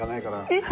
えっ？